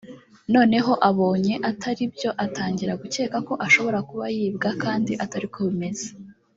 noneho abonye atari byo atangira gukeka ko ashobora kuba yibwa kandi atari ko bimeze